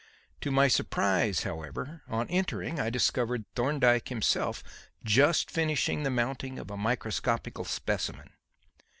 To my surprise, however, on entering, I discovered Thorndyke himself just finishing the mounting of a microscopical specimen.